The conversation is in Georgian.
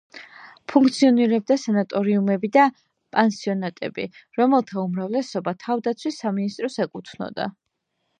ფუნქციონირებდა სანატორიუმები და პანსიონატები, რომელთა უმრავლესობა თავდაცვის სამინისტროს ეკუთვნოდა.